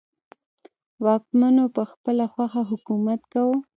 واکمنو په خپله خوښه حکومت کاوه.